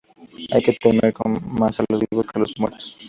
Hay que temer más a los vivos que a los muertos